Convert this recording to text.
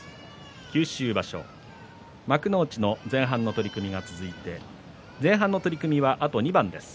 九州場所幕内の前半の取組が続いて前半は、あと２番です。